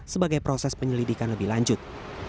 sebagai proses penyelidikan lebih lanjut